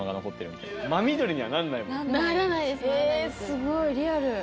すごいリアル。